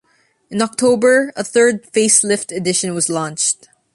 In October, a third facelifted edition was launched.